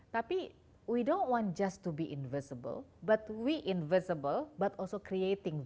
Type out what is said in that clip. tapi kita tidak hanya ingin menjadi invisible tapi kita juga invisible tapi juga membuat nilai